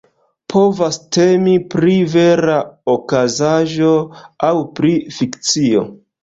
Povas temi pri vera okazaĵo aŭ pri fikcio.